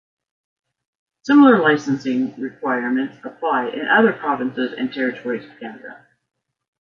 Similar licensing requirements apply in other provinces and territories of Canada.